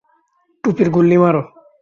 টুপির গুল্লি মারো!